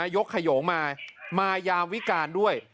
ยกขยงมามายามวิการด้วย